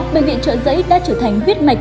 bệnh viện chợ giấy đã trở thành huyết mạch